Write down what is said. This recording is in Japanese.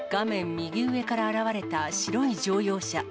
右上から現れた白い乗用車。